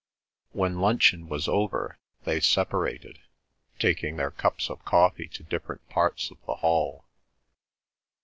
When luncheon was over they separated, taking their cups of coffee to different parts of the hall.